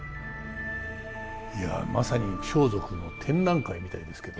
いやまさに装束の展覧会みたいですけど。